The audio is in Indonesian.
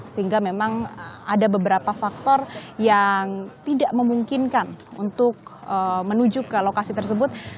sehingga memang ada beberapa faktor yang tidak memungkinkan untuk menuju ke lokasi tersebut